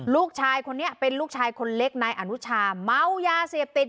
ลูกชายคนนี้เป็นลูกชายคนเล็กนายอนุชาเมายาเสพติด